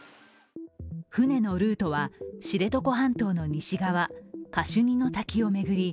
船のルートは知床半島の西側、カシュニの滝を巡り